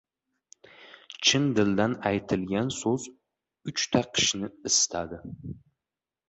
• Chin dildan aytilgan so‘z uchta qishni isitadi.